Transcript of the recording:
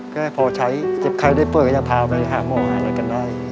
ก็ให้พอใช้เจ็บใครได้เปิดก็จะพาไป๕โมงอาหารกันได้